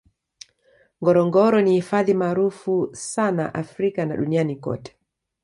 ngorongoro ni hifadhi maarufu sana africa na duniani kote